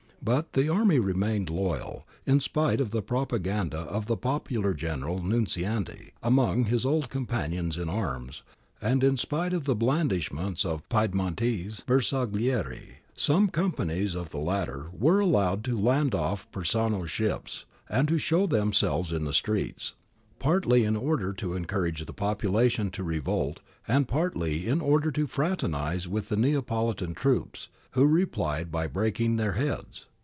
But the army remained loyal, in spite of the propaganda of the popular general, Nunziante, among his old com panions in arms, and in spite of the blandishments of the Piedmontese Bersaglieri. Some companies of the latter were allowed to land off Persano's ships and to show themselves in the streets, partl}^ in order to encourage the population to revolt and partly in order to fraternize with the Neapolitan troops, who replied by breaking their heads.